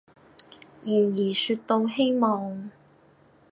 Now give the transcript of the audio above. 然而說到希望，